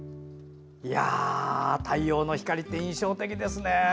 いやあ、太陽の光って印象的ですね。